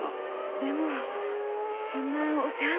でもそんなにお世話に。